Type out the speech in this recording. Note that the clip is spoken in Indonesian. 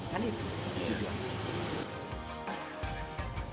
kan itu tujuan